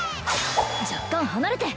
若干離れて！